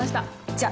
じゃあ。